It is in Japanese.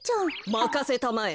まかせたまえ。